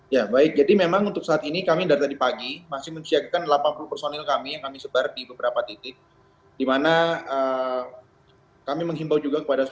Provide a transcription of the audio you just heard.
ya baik jadi memang untuk saat ini kami dari tadi pagi masih menyiapkan delapan puluh personil kami yang kami sebar di beberapa titik